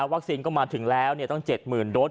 วัคซินก็มาถึงแล้วต้อง๗๐๐๐๐รถ